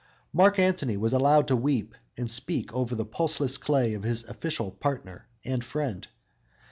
Mark Antony was allowed to weep and speak over the pulseless clay of his official partner and friend.